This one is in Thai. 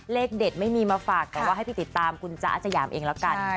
เลขเด็ดไม่มีมาฝากแต่ว่าให้ไปติดตามคุณจ๊ะอาสยามเองแล้วกัน